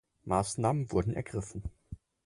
Maßnahmen wurden ergriffen.